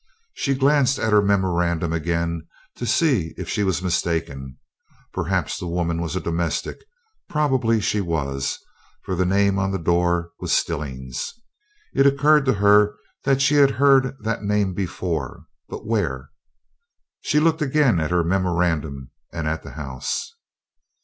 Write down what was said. She glanced at her memorandum again to see if she was mistaken. Perhaps the woman was a domestic; probably she was, for the name on the door was Stillings. It occurred to her that she had heard that name before but where? She looked again at her memorandum and at the house.